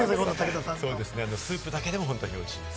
スープだけでも本当においしい。